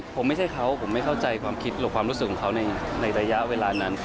ผมไม่ใช่เขาผมไม่เข้าใจความคิดหรือความรู้สึกของเขาในระยะเวลานั้น